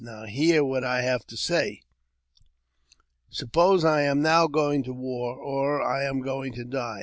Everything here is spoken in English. Now hear what I have to say: " Suppose I am now going to war, or I am going to die.